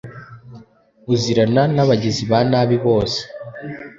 uzirana n'abagizi ba nabi bose